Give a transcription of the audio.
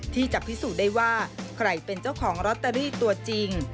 ที่จะพิสูจน์ได้ว่าใครเป็นเจ้าของลอตเตอรี่ตัวจริง